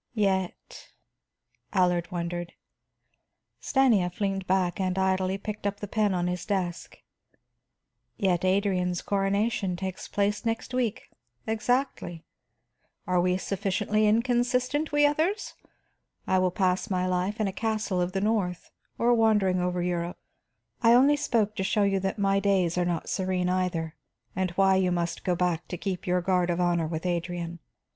"Yet?" Allard wondered. Stanief leaned back and idly picked up the pen on his desk. "Yet Adrian's coronation takes place next week, exactly. Are we sufficiently inconsistent, we others? And I will pass my life in a castle of the north, or wandering over Europe. I only spoke to show you that my days are not serene either, and why you must go back to keep your guard of honor with Adrian.